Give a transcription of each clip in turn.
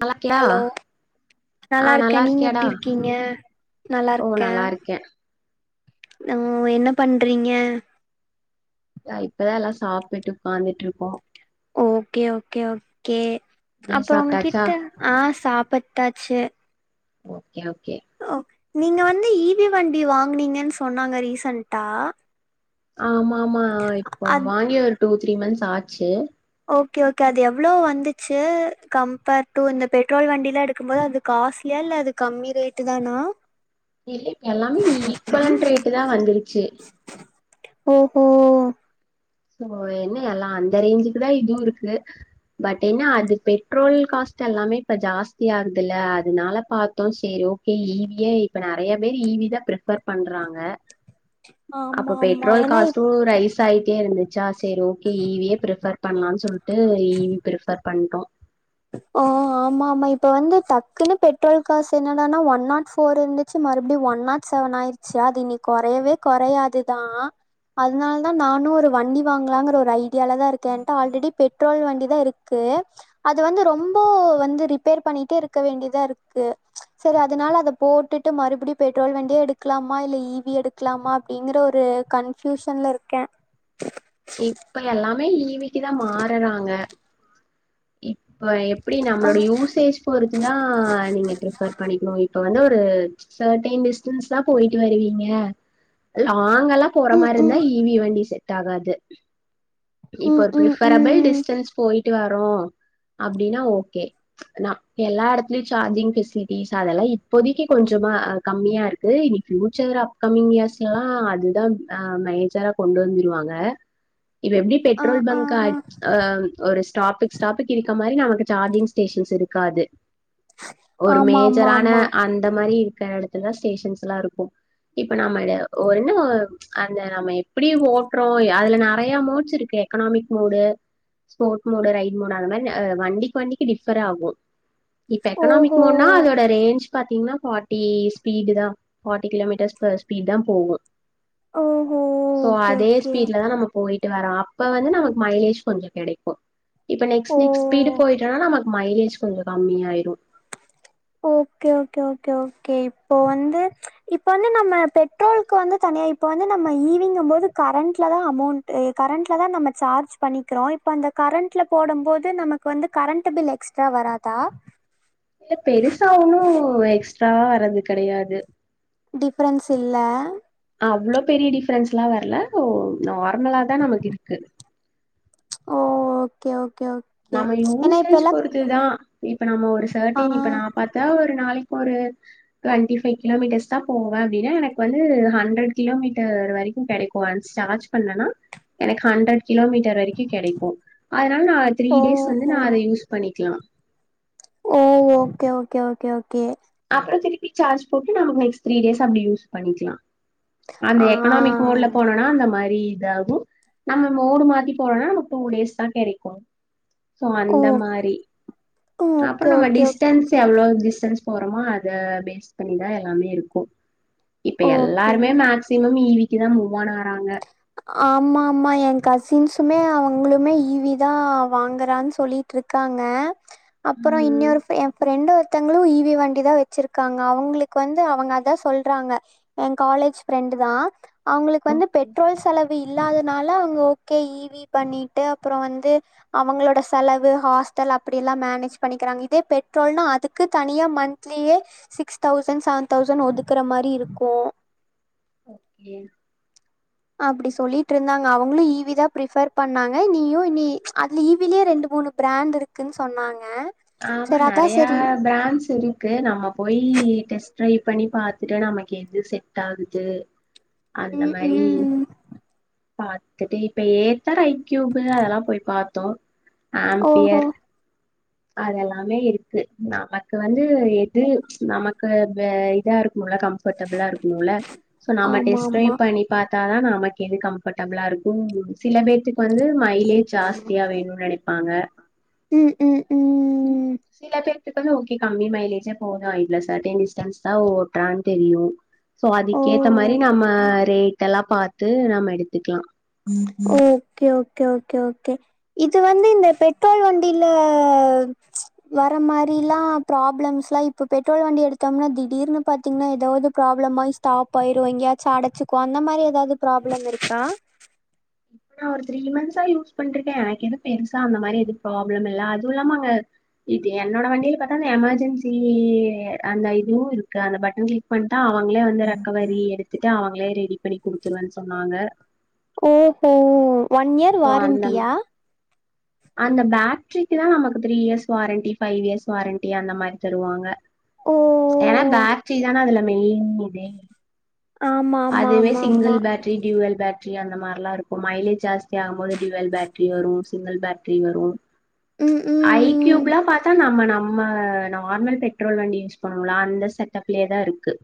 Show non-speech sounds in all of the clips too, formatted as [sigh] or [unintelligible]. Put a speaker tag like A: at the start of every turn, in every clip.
A: நல்லாக்கியா ஆ நல்லா
B: நல்லாருக்கேன் நீங்க
A: இருக்கியாடா
B: எப்டி இருக்கீங்க
A: ஓ நல்லா
B: நல்லாருக்கேன்
A: இருக்கே
B: ஆ என்ன பண்றீங்க
A: நா இப்பதான் எல்லாம் சாப்ட்டு உக்காந்துட்டு இருக்கோம்
B: ஓகே ஓகே ஓகே
A: நீ
B: அப்றம் உங்க
A: சாப்ட்டாச்சா
B: கிட்ட ஆ சாப்ட்டாச்சு
A: ஓகே ஓகே
B: ஓகே நீங்க வந்து இ பி ண்டி வாங்கனீங்கன்னு சொன்னாங்க ரீசன்டா
A: ஆமா ஆமா இப்போ
B: அத்
A: வாங்கி ஒரு டூ த்ரீ மந்த்ஸ் ஆச்சு
B: ஓகே ஓகே அது எவ்ளோ வந்துச்சு கம்பேர் டு இந்த பெட்ரோல் வண்டிலாம் எடுக்கும்போது அது காஸ்ட்லியா இல்ல அது கம்மி ரேட்டு தானா
A: இல்ல இப்ப எல்லாமே ஈக்குவல் ரேட்டு தான் வந்துச்சு
B: ஓஹோ
A: சோ என்ன எல்லாம் அந்த ரேஞ்சுக்கு தான் இதுவும் இருக்கு பட் என்ன அது பெட்ரோல் காஸ்ட் எல்லாமே இப்ப ஜாஸ்தி ஆகுதுல்ல அதனால பாத்தோம் செரி ஈவியே இப்ப நெறைய பேர் ஈவி தான் பிரிஃபேர் பண்றாங்க
B: ஆமா
A: அப்ப
B: ஆமா
A: பெட்ரோல்
B: ஏன்னா
A: காஸ்டு ரைஸ் சைடே இருந்துச்சா சரி ஓகே ஈவியே பிரிஃபேர் பண்லான் சொல்ட்டு ஈவி பிரிஃபேர் பண்டோ
B: ஓ ஆமா ஆமா இப்போ வந்து டக்குன்னு பெட்ரோல் காசு என்னடான்னா ஒன் நாட் ஃபோர் இருந்துச்சு மறுபடியடி ஒன் நாட் செவன் ஆயிரு ச்சி இனி கொறையவே கொறையாதுதா அதனால தான் நானு ஒரு வண்டி வாங்கலாங்கிற ஒரு ஐடியால தான் இருக்கே என்ட ஆல்ரெடி பெட்ரோல் வண்டி தான் இருக் கு அது வந்து ரொம்ப வந்து ரிப்பேர் பண்ணிட்டே இருக்க வேண்டியதா இருக்கு சரி அதனால அத போட்டுட்டு மறுபடியடி பெட்ரோல் வண்டியே எடுக்கலாமா இல்ல ஈவி எடுக்கலாமா அப்டிங்கற ஒரு கன்பியூஷன்ல இருக்கே
A: இப்ப எல்லாமே ஈவிக்கு தா மாறறாங்க இப்ப எப்டி
B: ஆ
A: நம்மளோட யூசேஜ் பொறுத்துனா நீங்க பிரிபேர் பண்ணிக்கணு இப்ப வந்து ஒரு சர்டைன் டிஸ்டன்ஸ்லா போயிட்டு வருவீங்க லாங்கால்லா போற
B: ம்
A: மாரி இருந்தா
B: ம்
A: ஈவி வண்டி செட் ஆகாது இப்ப
B: ம்
A: ஒரு
B: ம்
A: பிஃபரபிள்
B: ம்
A: டிஸ்டன்ஸ் போயிட்டு வரோ அப்டின்னா ஓகே ஆ எல்லா இடத்துலயு சார்ஜிங் பெஃபசிலிட்டிஸ் அதெல்லா இப்போதைக்கு கொஞ்சமா கம்மியா இருக் கு இனி பியூச்சர் அப்கமிங் இயர்ஸ் எல்லா அதுதா அ மேஜரா கொண்டு வந்துருவாங்க இப்ப எப்டி
B: ஆ
A: பெட்ரோல்
B: ஆ
A: பங்கா அ ஒரு ஸ்டாப்பு ஸ்டாப்புக்கு இருக்க மாரி நமக்கு சார்ஜிங் ஸ்டேஷன்ஸ் இருக்காது ஒரு
B: ஆமா ஆமா
A: மேஜரான
B: ஆமா
A: அந்த மாரி இருக்கற எடத்துலதா ஸ்டேஷன்ஸ்ல்லா இருக்கு இப்ப நம்ம [unintelligible] அந்த நம்ம எப்டி ஓட்றோ அதுல நெறைய மோட்ஸ் இருக்கு economic mode sport mode right mode அந்த மாரி வண்டிக்கு வண்டிக்கு டிஃபர் ஆகு இப்ப
B: ஓஹோ
A: எக்கனாமிக் மோடுன்னா அதோட ரேஞ்ச் பாத்தீங்கன்னா ஃபார்ட்டி ஸ்பீடு தான் ஃபார்ட்டி கிலோமீட்டர்ஸ் பர் ஸ்பீட் தா போகு
B: ஓஹோ
A: சோ
B: ஓகே
A: அதே
B: ஓகே
A: இப்ப தா நம்ம போயிட்டு வரோ அப்ப வந்து நமக்கு மைலேஜ் கொஞ்சொ கெடைக்கு இப்ப
B: ஓ
A: நெக்ஸ்ட் நெக்ஸ்ட் ஸ்பீடு போயிட்டுனா நமக்கு மைலேஜ் கொஞ்சோ கம்மி ஆயிரு
B: ஓகே ஓகே ஓகே ஓகே இப்ப வந்து இப்ப வந்து நம்ம பெட்ரோலுக்கு வந்து தனியா இப்ப வந்து நம்ம ஈவிங்க போது கரண்ட்ல தா அமோண்ட் கரண்ட்ல தா நம்ம சார்ஜ் பண்ணிக்கிறோ இப்ப அந்த கரண்ட்ல போடும் போது நமக்கு வந்து கரண்ட் பில் எக்ஸ் ட்ரா வரதா
A: இல்ல பெருசா ஒன்னு எக்ஸ்ட்ராவா வரது கெடையாது
B: டிஃப்ரென்ஸ் இல்ல
A: அவ்ளோ பெரிய டிஃப்ரன்ஸ் எல்லா வரல ஓ நார்மலா தா நமக்கு இருக்கு
B: ஓ ஓகே ஓகே ஓக்
A: நம்ம யூசேஜ் பொறுத்துதா இப்ப நம்ம ஒரு
B: ஆ
A: சர்டின் இப்ப நா பத்தா ஒரு நாளைக் ஒரு டுவெண்ட்டி ஃபைவ் கிலோமீட்டர்ஸ் தா போவே அப்படனா எனக்கு வந்து ஹண்ட்ரட் கிலோமீட்டர் வரைக் கெடைக்கு சா பண்ணனா எனக்கு ஹண்ட்ரட் கிலோமீட்டர் வரைக்கு கெடைக்கு அதனால நா த்ரீ டேஸ் வந்து
B: ஓஹோ
A: நா அத யூஸ் பண்ணிக்கலா
B: ஓ ஓகே ஓகே ஓகே ஓகே
A: அப்புற திருப்பி சார்ஜ் போட்டு நமக்கு நெக்ஸ்ட் த்ரீ டேஸ் அப்டி யூஸ் பண்ணிக்கலா அந்த
B: ஆ
A: எக்கனாமிக் மோட்ல போனோனா அந்த மாரி இதா கு நம்ம மோடு மாத்தி போனோனா நம்ம டூ டேஸ் தா கெடைக்கு சோ
B: ஓ
A: அந்த மாரி அப்புற
B: ஓகே
A: நம்ம
B: ஓகே
A: டிஸ்டன்ஸ்
B: ஓகே
A: எவ்ளோ டிஸ்டன்ஸ் போறமா அத பேஸ் பண்ணிதா எல்லாமே இருக்கு இப்ப
B: ஓகே
A: எல்லாருமே மேக்ஸ் சிமம் ஈவிக்கு தா மூவான் ஆறாங்க
B: ஆமா ஆமா என் கசின்ஸ்மே அவங்களுமே ஈவிதா வாங்குறான் சொல்லி ட்ருக்காங்க அப்புற
A: ம்
B: இன்னொரு என் ஃப்ரெண்டு ஒருத் த்தங்களு ஈவி வண்டி தா வச்சிருக்காங்க அவங்களுக்கு வந்து அவங்க அதா சொல்றாங்க எ காலேஜ் ஃப்ரெண்ட் தா அவங்களுக்கு வந்து
A: ஓகே
B: பெட் ரோல் செலவு இல்லாதனால அவங்க ஓகே ஈவி பண்ணிட்டு அப்புற வந்து அவங்களோட செலவு ஹாஸ்டல் அப்டி எல்லா மேனேஜ் பண்ணிக்கிறாங்க இதே பெட்ரோல்ன்னா அதுக்கு தனியா மண் ட்லயே சிக்ஸ் தௌசண்ட் செவ தௌசண்ட் ஒதுக்குற மாரி இருக்கு
A: ஓகே
B: அப்டி சொல்லிட்டு இருந்தாங்க அவங்களு ஈவிதா பிரிஃபர் பண்ணாங்க நீயு நீ அதுல ஈவிலயே ரெண்டு மூணு பிராண்ட் இருக்குன் சொன்னாங்க
A: ஆமா
B: செரி அதா
A: நெறைய
B: செரி
A: பிராண்ட்ஸ் இரு கு நம்ம போய் டெஸ்ட் டரை பண்ணி பாத்துட்டு நமக்கு எது செட் ஆகுது அந்த
B: ம்
A: மாரி
B: ம்
A: பா வந்துட்டு இப்ப ஏத்த ஐக்யூபு அதெல்லா போய் பாத்தோ
B: ஓஹோ
A: ஆம்பியர் அதெல்லாமே இருக்கு நமக்கு வந்து எது நமக்கு இதா இருக்குல கம் ஃபடபலா இருக்கணுல சோ நம்ம
B: ஆமா
A: டெஸ்ட்
B: ஆமா
A: டிரைவ் பண்ணி பாத்தாதா நமக்கு எது கம்ஃபர்டபிளா இருக்கு சில பேத்தக்கு வந்து மைலேஜ் ஜாஸ்தியா வேணுன் நெனைப்பாங்க
B: ம் ம் ம்
A: சில பேத்துக்கு வந்து ஓகே கம்மி மைலேஜே போது இவ்ளோ சர்ட்டன் டிஸ்டன்ஸ் தா ஓட்றான் தெரியு சோ
B: ஓ
A: அதுக்கேத்த மாரி நம்ம ரேட் எல்லா பாத்து நம்ம எடுத்துக்லா
B: ஓகே ஓகே ஓகே ஓகே இது வந்து இந்த பெட்ரோல் வண்டில வர மாரிலா பிராப்ளம்ஸ்லா இப்போ பெட்ரோல் வண்டி எடுத்தோம்னா திடீர்னு பாத்தீங்னா ஏதாவது ப்ராப்ளமாயி தா பயிர் வாங்கியாச்சு அடச்சிக்கு அந்த மாரி ஏதாது ப்ராப்ளம் இருக்கா
A: நா ஒரு த்ரீ மந்த்ஸா யூஸ் பண்ருக்கே எனக்கு ஏது பெருசா அந்த மாரி எது ப்ராப்ளம் இல்ல அதுவு இல்லாம அங்க இது என்னோட வண்டியில பாத்தா அந்த எமர்ஜென்சி அந்த இதுவு இருக்கு அந்த பட்டன் கிளிக் பண்ட்டா அவுங்களே வந்து ரெக்கவரி எடுத்துட்டு அவுங்களே ரெடி பண்ணி குடுத்துருவேன் சொன்னாங்க
B: ஓஹோ ஒன் இயர்
A: சோ அந்த
B: வாரண்டியா
A: அந்த பேட்ரிக்கு தா நமக்கு three years warranty five years warranty அந்த மாரி தருவாங்க
B: ஓ!
A: ஏனா பேட்ரி தான அதுல மெயின் இதே
B: ஆமா, ஆமா,
A: அதுவே
B: ஆமா, ஆமா.
A: Single battery dual battery அந்த மாரெல்லா என இருக்கு மைலேஜ் ஜாஸ்தி ஆகு போது டியூவல் பேட்டரி வரு சிங்குல் பேட்ரி வரு
B: ம், ம்,
A: ஐ
B: ம்.
A: கியூப்லா பாத்தா நம்ம நம் நம்ம நார்மல் பெட்ரோல் வண்டி யூஸ் பண்ணோலா அந்த செட்டப்லயே தா இருக்கு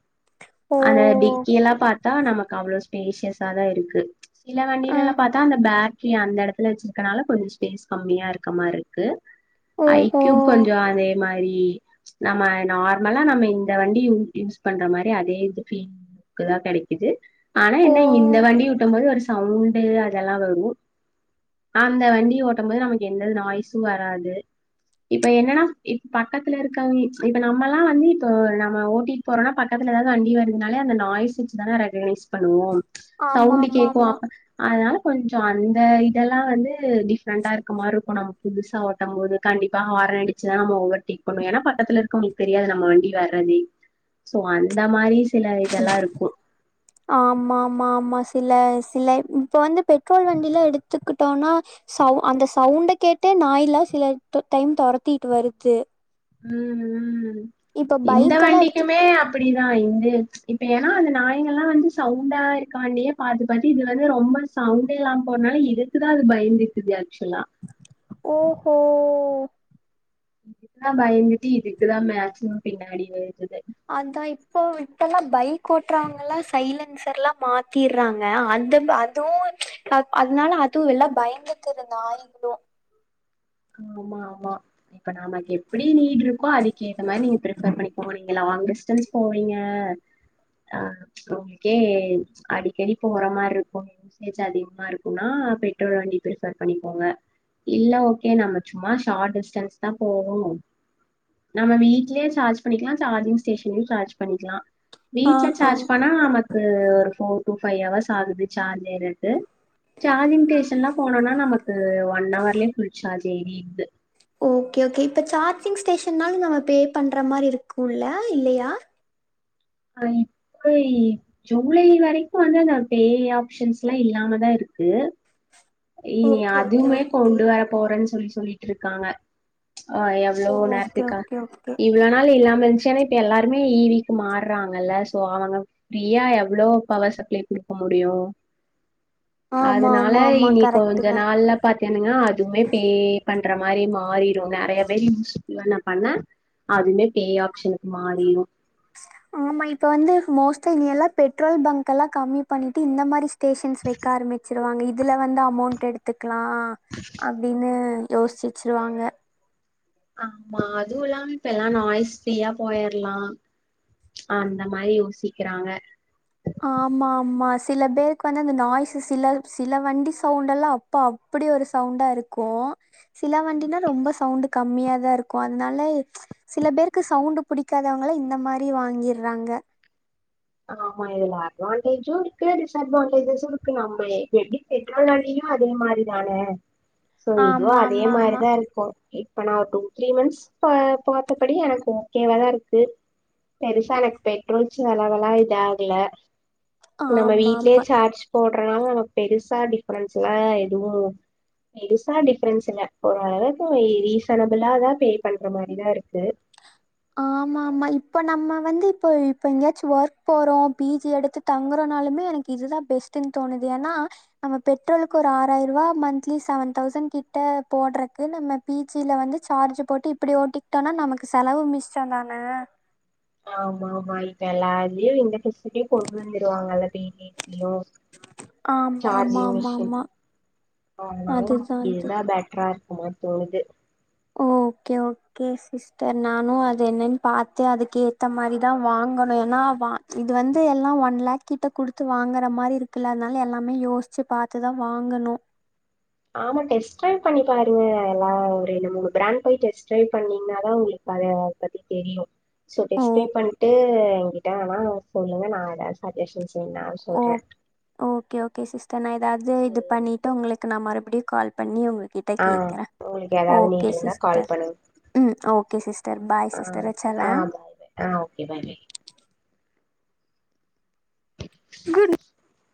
B: ஓ!
A: அந்த டிக்கிய எல்லா பாத்தா நமக்கு அவ்ளவு ஸ்பேஷியஸாதா இருக்கு சில
B: அ,
A: வண்டியில எல்லா பாத்தா அந்த பேட்ரி அந்த இடத்துல வச்சிருக்கனால கொஞ்ச ஸ்பேஸ் கம்மியா இருக்க மாரி இருக்கு
B: ஓஹோ!
A: ஐக்யூப் கொஞ்ச அதே மாரி நம்ம நார்மலா நம்ம இந்த வண்டி யூஸ் பண்ற மாரி அதே இது ஃபி க்குதா கெடைக்குது ஆனா
B: ஓ!
A: என்ன இந்த வண்டி ஓட்டு போது ஒரு சவுண்டு அதெல்லா வரு அந்த வண்டி ஓட்டும்போது நமக்கு எந்தது நாய்ஸு வராது இப்ப என்னனா இப் பக்கத்துல இருக்க இப்ப நம்மலா வந்து இப்போ நம்ம ஓட்டி போறோனா பக்கத்துல எதாது வண்டி வருதுனால அந்த நாய்ஸ் வச்சுதான ரெககெனைஸ் பண்ணுவோ
B: ஆமா,
A: சவ்ண்ட்டு
B: ஆமா,
A: கேக்கு
B: ஆமா.
A: அப்ப அதுனால கொஞ்சோ அந்த இதெல்லா வந்து டிஃப்ரெண்ட்டா இருக்க மார்ருக்கு நமக் புதுசா ஓட்டம்போது கண்டிப்பா ஹாரன் அடிச்சுதா நம்ம ஓவர் டேக் பண்ணு ஏனா பக்கத்துல இருக்கவுங்ளுக்கு தெரியாது நம்ம வண்டி வேற தனி சோ அந்த மாரி சில இதெல்லா இருக்
B: ஆமாம்மாமாஸ் இதுல சில இப்ப வந்து பெட்ரோல் வண்டிலா எடுத்துக்கிட்டோனா சவு அந்த சவ்ண்ட கேட்டே நாய்ல்லா சில தொ டைம் தொரத்தீட்டு வருது
A: ம் ம்
B: இப்ப
A: இந்த
B: பைக்கெல்லாம் எடுத்து
A: வண்டிக்குமே அப்பிடிதா இந்த இப்ப ஏனா அந்த நாய்ங்களா வந்து சவ்ண்டா இருக்கான்டியே பாத்து பாத்து இது வந்து ரொம்ப சவுண்டே இல்லாம் போனாலு இதுக்குதா அது பயந்துருக்குது ஆக்சுலா
B: ஓ ஹோ
A: இதுக்குதா பயந்துட்டு இதுக்குதா மேக்சிமம் பின்னாடி வெரட்டுது
B: அதா இப்போ விட்டெல்லா பைக் ஓட்றவங்கெல்லா சைலன்சர்லா மாத்திர்றாங்க அந்தந்த அ தோன் அத் அதுனால அதுவு எல்லா பயந்துக்கிது நாயிங்குளு
A: ஆமா ஆமா இப்ப நமக்கு எப்பிடி இருக்கோ அடி கேத்த மாரி நீங்க பிரிஃபர் பண்ணிக்கோங்க நீங்க லாங்டிஸ்டன்ஸ் போவீங்க ஆ உங்ளுக்கே அடிக்கடி தூங்குற மார்ருக்கும் யூசேஜ் அதிகுமா இருக்குனா எல்ட்ரிக்கல் வண்டி பிரிஃபர் பண்ணி போங்க இல்ல ஓ கே நம்ம சும்மா ஷாட் டிஸ்டன்ஸ்தா போவோ நம்ம வீ்ட்லே சார்ஜ் பண்ணிக்கிலா ஜார்ஜிங் ஸ்டேஷன்ல்யு சார்ஜ் பண்ணிக்கிலா வீட்ல
B: ஆஹா
A: சார்ஜ் பண்ணா நமக்கு ஒரு ஃபோர் டூ ஃபையவர்ஸ் ஆகுது சார்ஜ் ஏறக்கு சார்ஜிங் ஸ்டேஷன்லா போனோனா நமக்கு ஒன்னவர்லே ஃபுல் சார்ஜ் ஏறிர்து
B: ஓகே ஓகே இப்போ சார்ஜிங் ஸ்டேஷனாலு நம்ம பே பண்ற மாரி இருக்குல இல்லையா
A: அது இப்போயி ஜூலை வரைக்கு வந்து ஆனா பேய் ஆப்ஷன்ஸ்லா இல்லாமதா இருக்கு இனி
B: ஓகே ஓகே
A: அதுமே
B: ஓகே
A: கொண்டு வர போறேன் சொல்லி சொல்லிட்ருக்காங்க ஆ எவ் வுளோ
B: ஓ ஓகே
A: நேர்த்துக்கா
B: ஓகே ஓகே
A: இவுளோ நாள் இல்லாம இருந்ச்சு ஆனா இப்ப எல்லாருமே இ வீ க்கு மார் றாங்கல்ல சோ அவங்க ஃபிரீயா எவுளோ பவர் சப்ளை குடுக்க முடியு
B: ஆமா
A: அதுனால
B: ஆமா ஆமா
A: இனி
B: கரெக்ட்
A: கொஞ்ச
B: தா
A: நாள்ல பாத்தேனிங்கா அதுமே பே பண்ற மாரி மாறிரு நெறைய பேர் யூஸ் பண்ண பண்ண அதுமே பே ஆப்ஷனுக்கு மாறிரு
B: ஆமா இப்ப வந்து மோஸ்டா இனியெல்லா பெட்ரோல் பங்கெல்லா கம்மி பண்ணிட்டு இந்த மாரி ஸ் டேஷன்ஸ் வைக்க ஆரமிச்சிருவாங்க இதுல வந்து அமௌண்ட் எடுத்துக்லா அப்டின்னு யோச்வச்சிருவாங்க
A: ஆமா அது இல்லாம் இப்பெல்லா நாய்ஸ் ஃப்ரீயா போயிர்லா அந்த மாரி யோசிக்கிறாங்க
B: ஆமா ஆமா சில பேர்க்கு வந்து அந்த நாய்ஸஸ் சில சில வண்டி சவுண்டெல்லா ப்பா அப்புடி ஒரு சவுண்டா இருக்கு சில வண்டில ரொம்ப சவ்ண்டு கம்மியாதா இருக்கு அதுனாலே சில பேருக்கு சவுண்டு புடிக்காதவங்கள இந்த மாரி வாங்கிற்றாங்க
A: ஆமா இதுல அட்வான்டேஜு இருக்கு டிஸ்அட்வான்டேஜஸு இருக்கு நம்ப இப்ப எப்டி பெட்ரோல் நாலயு அதே மாரிதான சோ இதும்
B: ஆமா
A: அதே
B: ஆமா
A: மாரி
B: ஆமா
A: தா இருக்கும் அப்ப நா ஒரு டூ த்ரீ மந்த்ஸ் ப பாத்தபடி எனக்கு ஓகேவா தா இருக்கு பெருசா எனக்கு பெட்ரோல் செலவலாம் இதாகல நம்ம
B: ஆமா
A: வீட்லயே
B: ஆமா
A: சார்ஜ் போடுறனா பெருசா டிஃப்ரன்ஸ்லாம் எதுவும் பெருசா டிஃப்ரன்ஸ் இல்ல ஒரு அளவுக்கு ரீசனபிளா தா பே பண்ற மாரிதான் இருக்கு
B: ஆமா ஆமா இப்போ நம்ம வந்து இப்போ இப்ப எங்காச்சு ஒர்க் போறோம் பி ஜி எடுத்து தங்குறனாலுமே எனக்கு இதுதான் பெஸ்டுனு தோணுது ஏன்னா நம்ம பெட்ரோலுக்கு ஒரு ஆறாயறுவா மந்த்லி செவன் தௌசண் கிட்ட போடுறக்கு நம்ம பி ஜி ல வந்து சார்ஜ் போட்டு இப்டி ஓட்டிக்கிட்டோனா நமக்கு செலவு மிஸ்சொந்தான
A: ஆமா ஆமா இப்ப எல்லா இதுலயு இந்த டுஸ் கே கொண்டு வந்துரு வாங்கல்ல பேட்டியத்துலயும்
B: ஆமா ஆமா
A: சார்ஜிங்
B: ஆமா
A: மிஷின்
B: ஆமா
A: அதுனால
B: அதுதான் அது
A: இதான் பெட்டரா இருக்குமோ தோனுது
B: ஓகே ஓக் கே சிஸ்டர் நானும் அது என்னனு பாத்து அதுக்கு ஏத்த மாரி தா வாங்கணு ஏன்னா வா இது வந்து எல்லாம் ஒன் லேக் கிட்ட குடுத்து வாங்குற மாரி இருக்குல்ல அதுனால எல்லாமே யோசிச்சு பாத்து தா வாங்கணும்
A: ஆமா டெஸ்ட் ட்ரைவ் பண்ணி பாருங்க எல்லாம் ஒரு ரெண்டு மூனு பிராண்ட் போய் டெஸ்ட் ட்ரைவ் பண்ணீங்கனா தா உங்களுக்கு அது பத்தி தெரியும் சோ
B: ஓ
A: டிஸ்பே பண்டு எங்கிட்ட ஆனா சொல்லுங்க நா ஏதாவது சஜஷன் செய்லா
B: ஓ
A: சொல்றேன்
B: ஓகே ஓகே சிஸ்டர் நா ஏதாவது இது
A: சேரி
B: பண்ணிட்டு உங்களுக்கு நா மறுபடியும் கால் பண்ணி உங்க கிட்ட
A: ஆ
B: கேக்றேன்
A: உங்களுக்கு ஏதாவது
B: ஓகே
A: நீட் இருந்தா கால்
B: சிஸ்டர்
A: பண்ணுங்க
B: ம் ஓகே சிஸ்டர் பாய்
A: ஆ
B: சிஸ்டர்
A: ஆ
B: வச்சறேன்
A: பாய் பாய் ஆ ஓகே [unintelligible]
B: குடு